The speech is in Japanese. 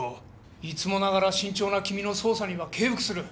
いつもながら慎重な君の捜査には敬服する。